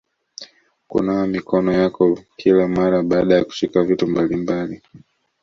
Kunawa mikono yako kila mara baada ya kushika vitu mbalimbali